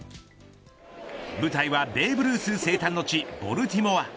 舞台はベーブ・ルース生誕の地ボルティモア。